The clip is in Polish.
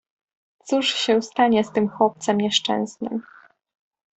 Cóż się stanie z tym chłopcem nieszczęsnym!